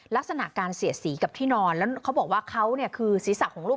ลักษณะการเสียสีกับที่นอนแล้วเขาบอกว่าเขาเนี่ยคือศีรษะของลูก